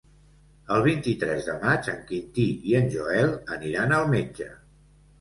El vint-i-tres de maig en Quintí i en Joel aniran al metge.